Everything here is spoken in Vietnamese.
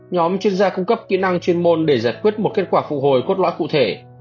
nhóm chuyên gia cung cấp kỹ năng chuyên môn để giải quyết một kết quả phục hồi cốt lõi cụ thể